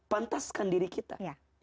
pantaskan diri kita